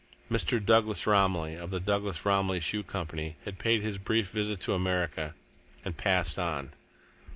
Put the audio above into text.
Mr. Douglas Romilly, of the Douglas Romilly Shoe Company, had paid his brief visit to America and passed on.